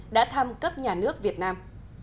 đã tham cấp nhà nước việt nam